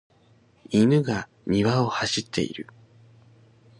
犬が庭を走っている。